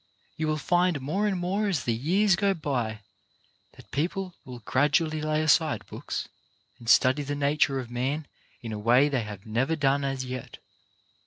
You will find more and more as the years go by, that people will gradually lay aside books, and study the nature of man in a way they have never done as yet.